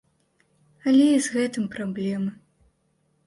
Але і з гэтым праблемы.